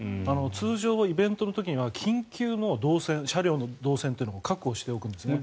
通常、イベントの時には緊急の動線車両の動線というのを確保しておくべきなんですね。